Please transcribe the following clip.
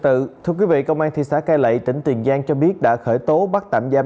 thưa quý vị công an thị xã cai lệ tỉnh tiền giang cho biết đã khởi tố bắt tạm giam